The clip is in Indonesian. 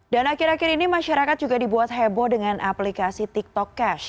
dan akhir akhir ini masyarakat juga dibuat heboh dengan aplikasi tiktok cash